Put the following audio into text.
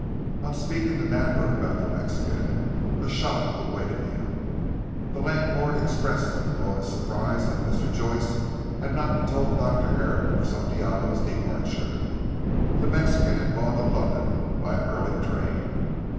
"On speaking to Napper about the Mexican a shock awaited him. The landlord expressed the broadest surprise that Mr. Joyce had not told Dr. Herrick of Santiago's departure. The Mexican had gone to London by an early train.